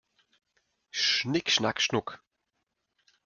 Schnick schnack schnuck!